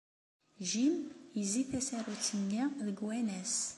Jim yezzi tasarut-nni deg wanas.